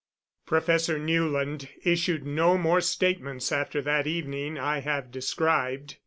Professor Newland issued no more statements after that evening I have described.